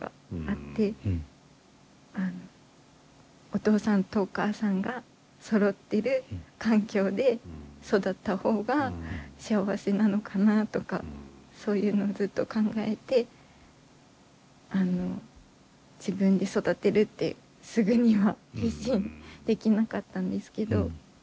お父さんとお母さんがそろってる環境で育った方が幸せなのかなとかそういうのをずっと考えて自分で育てるってすぐには決心できなかったんですけど。